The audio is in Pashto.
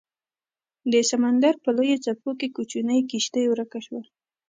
د سمندر په لویو څپو کې کوچنۍ کیشتي ورکه شوه